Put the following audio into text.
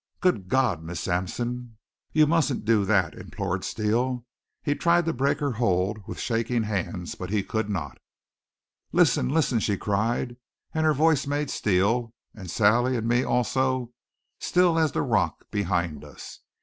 "Good God! Miss Sampson, you mustn't do that!" implored Steele. He tried to break her hold with shaking hands, but he could not. "Listen! Listen!" she cried, and her voice made Steele, and Sally and me also, still as the rock behind us.